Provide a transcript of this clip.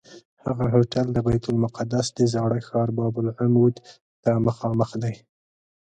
هغه هوټل د بیت المقدس د زاړه ښار باب العمود ته مخامخ دی.